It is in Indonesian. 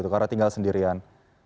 karena tinggal sendirian